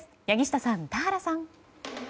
柳下さん、田原さん。